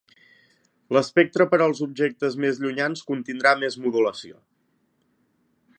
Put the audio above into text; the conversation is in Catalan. L'espectre per als objectes més llunyans contindrà més modulació.